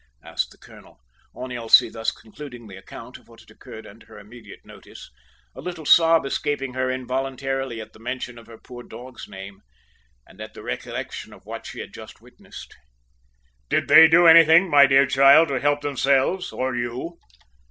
asked the colonel, on Elsie thus concluding the account of what had occurred under her immediate notice, a little sob escaping her involuntarily at the mention of her poor dog's name, and at the recollection of what she had just witnessed. "Did they do anything, my dear child to help themselves, or you?"